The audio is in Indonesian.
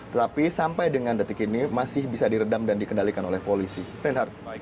tetapi sampai dengan detik ini masih bisa diredam dan dikendalikan oleh polisi reinhardt